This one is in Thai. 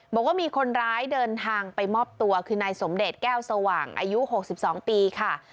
บอกว่ามีคนร้ายเดินทางไปมอบตัวคือนายสมเดชแก้วสว่างอายุ๖๒ปีค่ะ